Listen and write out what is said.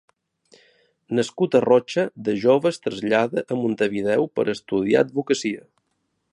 Nascut a Rocha, de jove es trasllada a Montevideo per estudiar advocacia.